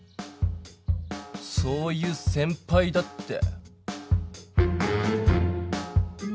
そういう先ぱいだって。